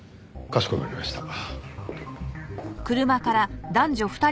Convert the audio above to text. かしこまりました。